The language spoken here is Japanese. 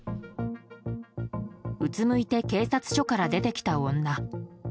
うつむいて警察署から出てきた女。